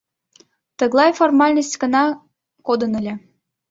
Тыглай формальность гына кодын ыле.